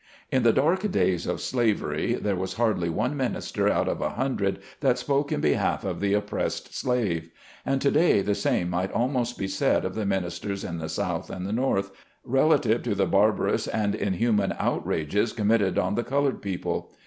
In the dark days of slavery there was hardly one minister out of a hundred that spoke in behalf of the oppressed slave. And to day the same might almost be said of the ministers in the South and the North, relative to the barbarous and inhuman outrages committed on the colored people.